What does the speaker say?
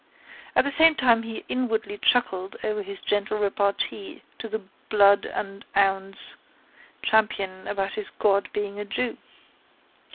At the same time he inwardly chuckled over his gentle repartee to the blood and ouns champion about his god being a jew.